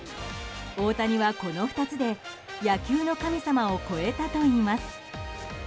大谷はこの２つで野球の神様を超えたといいます。